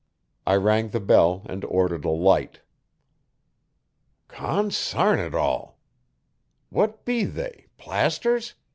I rang the bell and ordered a light. 'Consam it all! what be they plasters?'